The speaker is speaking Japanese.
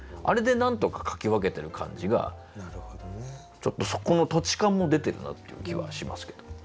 あれでなんとかかき分けてる感じがちょっとそこの土地感も出てるなっていう気はしますけど。